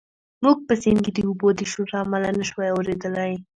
موږ په سیند کې د اوبو د شور له امله نه شوای اورېدلی.